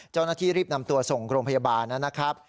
เจ้าหน้าที่รีบนำตัวส่งโรงพยาบาลนะครับ